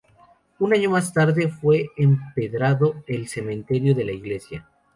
Un año más tarde fue empedrado el cementerio de la iglesia.